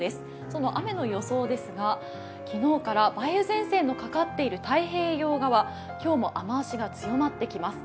その雨の予想ですが、昨日から梅雨前線のかかっている太平洋側、今日も雨足が強まってきます。